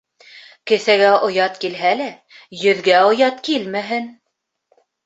Кеҫәгә оят килһә лә, йөҙгә оят килмәһен.